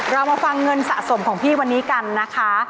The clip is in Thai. เรามาฟังเงินสะสมของพี่วันนี้กันนะคะ